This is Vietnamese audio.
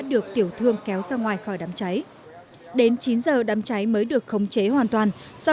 được tiểu thương kéo ra ngoài khỏi đám cháy đến chín giờ đám cháy mới được khống chế hoàn toàn do